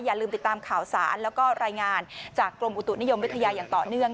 อย่าลืมติดตามข่าวสารแล้วก็รายงานจากกรมอุตุนิยมวิทยาอย่างต่อเนื่อง